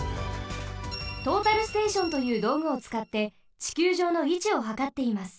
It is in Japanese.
トータルステーションというどうぐをつかってちきゅうじょうのいちをはかっています。